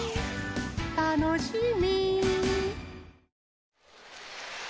たのしみ！